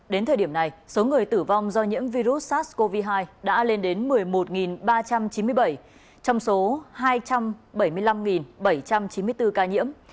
đến thời điểm này số người tử vong do nhiễm virus sars cov hai đã lên đến một mươi một ba trăm chín mươi bảy trong số hai trăm bảy mươi năm bảy trăm chín mươi bốn ca nhiễm